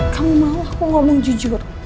kamu malah aku ngomong jujur